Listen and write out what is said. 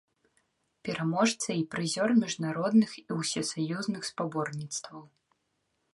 Пераможца і прызёр міжнародных і усесаюзных спаборніцтваў.